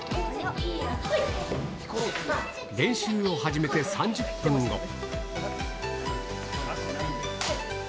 練習を始めて３０分後。